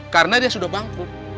karena dia sudah bangku